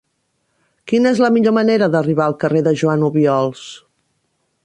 Quina és la millor manera d'arribar al carrer de Joan Obiols?